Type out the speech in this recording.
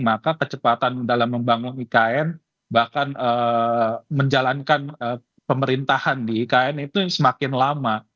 maka kecepatan dalam membangun ikn bahkan menjalankan pemerintahan di ikn itu semakin lama